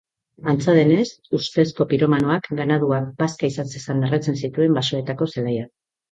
Antza denez, ustezko piromanoak ganaduak bazka izan zezan erretzen zituen basoetako zelaiak.